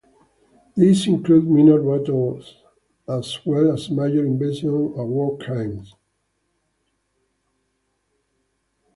These include minor battles as well as major invasions and war crimes.